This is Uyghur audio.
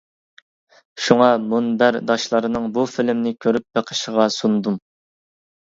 شۇڭا مۇنبەرداشلارنىڭ بۇ فىلىمنى كۆرۈپ بېقىشىغا سۇندۇم.